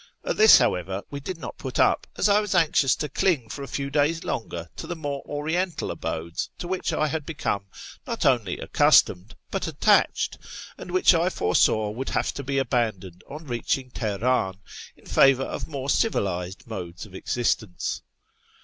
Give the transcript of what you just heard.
At this, however, we did not put up, as I was anxious to cling for a few days longer to the more Oriental abodes to which I had become not only accustomed, but attached, and which I foresaw would have to be aban doned on reaching Teheran in favour of more civilised modes of existence.